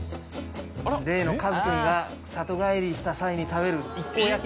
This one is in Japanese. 例のかずくんが里帰りした際に食べる。